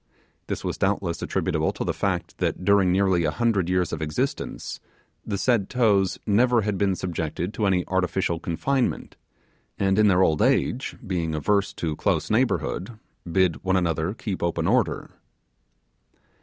This was doubtless attributable to the fact, that during nearly a hundred years of existence the said toes never had been subjected to any artificial confinement, and in their old age, being averse to close neighbourhood, bid one another keep open order.